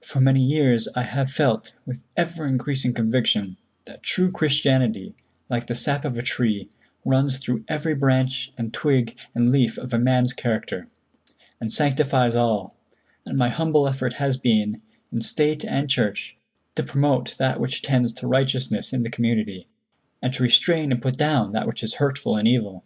For many years I have felt, with ever increasing conviction, that true Christianity, like the sap of a tree, runs through every branch and twig and leaf of a man's character, and sanctifies all; and my humble effort has been, in State and Church, to promote that which tends to righteousness in the community, and to restrain and put down that which is hurtful and evil.